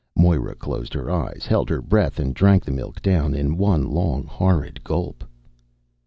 Moira closed her eyes, held her breath and drank the milk down in one long horrid gulp.